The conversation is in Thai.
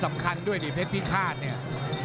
สำคัญด้วยดิเพชรพิฆาตเนี่ย